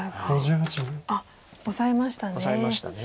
あっオサえましたね。